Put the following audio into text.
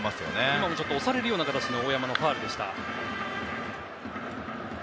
今も押されるような形の大山のファウルでした。